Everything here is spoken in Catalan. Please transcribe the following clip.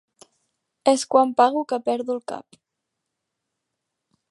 Es quan pago que perdo el cap.